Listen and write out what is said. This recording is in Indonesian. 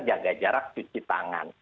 jaga jarak cuci tangan